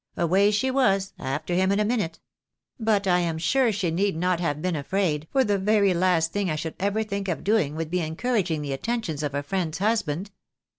Away she was, after him in a minute. But I am sure she need not have been afraid, for the very last thing I should ever think of doing would be encouraging the attentions of a friend's husband."